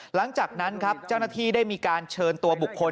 หลังจากนั้นครับเจ้าหน้าที่ได้มีการเชิญตัวบุคคล